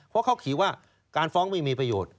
เพราะเขาขี่ว่าการฟ้องไม่มีประโยชน์